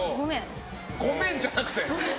ごめんじゃなくて。